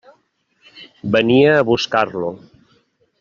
Venia a buscar-lo.